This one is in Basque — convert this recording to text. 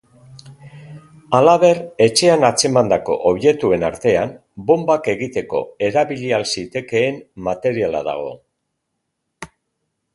Halaber, etxean atzemandako objektuen artean bonbak egiteko erabili ahal zitekeen materiala dago.